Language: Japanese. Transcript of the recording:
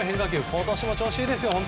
今年も調子いいですね。